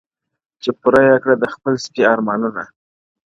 چي پوره یې کړه د خپل سپي ارمانونه,